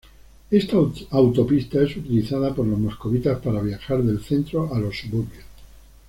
Esta autopista es utilizada por los moscovitas para viajar del centro a los suburbios.